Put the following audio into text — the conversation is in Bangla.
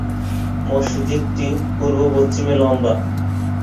মসজিদটি পুর্ব-পশ্চিমে লম্বা।